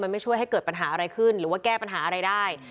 ไม่ช่วยให้เกิดปัญหาอะไรขึ้นหรือว่าแก้ปัญหาอะไรได้